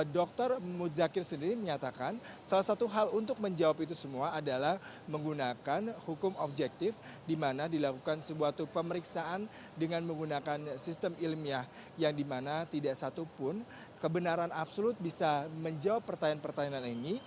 dr muzakir sendiri menyatakan salah satu hal untuk menjawab itu semua adalah menggunakan hukum objektif di mana dilakukan sebuah pemeriksaan dengan menggunakan sistem ilmiah yang dimana tidak satupun kebenaran absolut bisa menjawab pertanyaan pertanyaan ini